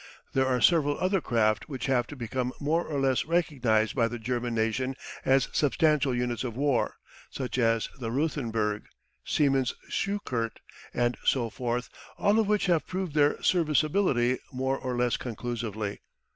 There are several other craft which have become more or less recognised by the German nation as substantial units of war, such as the Ruthemberg, Siemens Schukert, and so forth, all of which have proved their serviceability more or less conclusively.